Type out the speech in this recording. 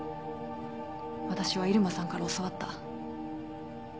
私は入間さんから教わった。